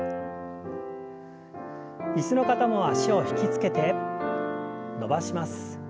椅子の方も脚を引き付けて伸ばします。